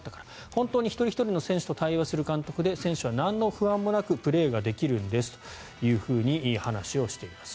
本当に一人ひとりの選手と対話する監督で選手はなんの不安もなくプレーできるんですと話をしています。